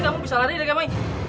kamu bisa lari dengan baik